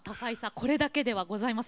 これだけではございません。